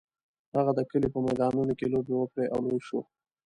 هغه د کلي په میدانونو کې لوبې وکړې او لوی شو.